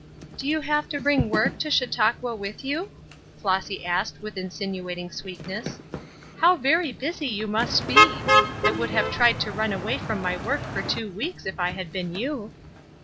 "Do you have to bring work to Chautauqua with you?" Flossy asked, with insinuating sweetness. "How very busy you must be! I would have tried to run away from my work for two weeks if I had been you."